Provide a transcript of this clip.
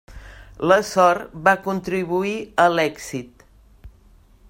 La sort va contribuir a l'èxit.